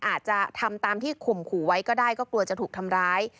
อาจจะทำตามที่ข่มขู่ไว้ก็ได้ก็กลัวจะถูกทำร้าย